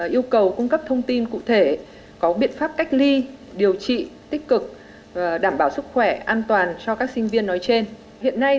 yêu cầu cung cấp thông tin cụ thể có biện pháp cách ly điều trị tích cực đảm bảo sức khỏe an toàn cho các sinh viên nói trên